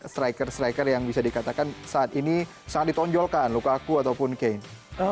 striker striker yang bisa dikatakan saat ini sangat ditonjolkan lukaku ataupun kane